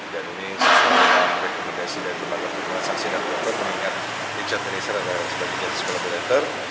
dan ini sesuai dengan rekomendasi dari bapak ibu barsika saksi dan pemerintah mengingat di cat ini serta sebagiannya sekolah berantar